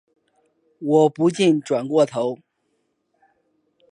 我不禁转过头